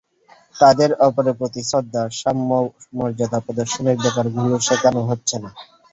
তাঁদের অপরের প্রতি শ্রদ্ধা, সাম্য, মর্যাদা প্রদর্শনের ব্যাপারগুলো শেখানো হচ্ছে না।